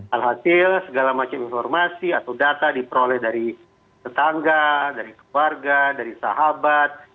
alhasil segala macam informasi atau data diperoleh dari tetangga dari keluarga dari sahabat